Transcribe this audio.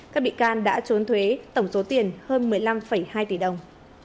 các bị can đã trốn thuế tổng số tiền hơn một mươi năm hai tỷ đồng